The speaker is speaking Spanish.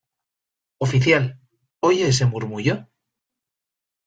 oficial, ¿ oye ese murmullo?